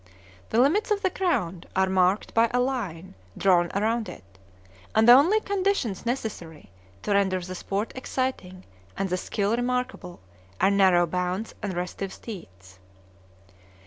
The limits of the ground are marked by a line drawn around it; and the only conditions necessary to render the sport exciting and the skill remarkable are narrow bounds and restive steeds.